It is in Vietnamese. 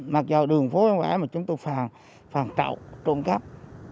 mặc dù đường phố hồ an mà chúng tôi phản trọng trộm cắp